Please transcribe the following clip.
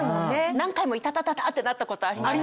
何回もイタタタってなったことあります。